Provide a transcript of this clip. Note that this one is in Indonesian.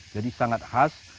jadi sangat khas